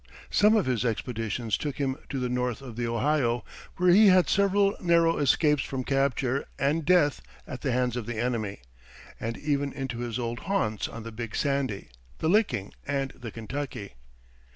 Some of his expeditions took him to the north of the Ohio, where he had several narrow escapes from capture and death at the hands of the enemy, and even into his old haunts on the Big Sandy, the Licking, and the Kentucky.